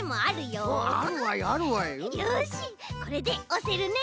よしこれでおせるね。